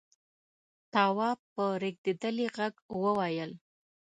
تواب په رېږدېدلي غږ وويل: